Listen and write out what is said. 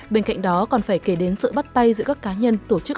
bên cạnh đó còn phải kể đến sự bắt tay giữa các cá nhân tổ chức